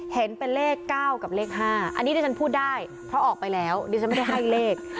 เห็นเป็นเลข๙กับเลข๕อันนี้ที่ฉันพูดได้เพราะออกไปแล้วดิฉันไม่ได้ให้เลข